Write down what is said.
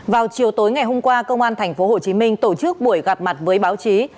vào chiều tối ngày hôm qua công an tp hcm tổ chức buổi gặp mặt với báo chí